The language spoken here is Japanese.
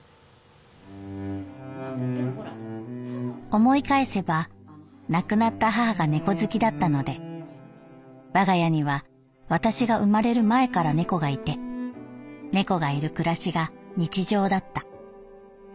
「思い返せば亡くなった母が猫好きだったので我が家には私が生まれる前から猫がいて猫がいる暮らしが日常だった。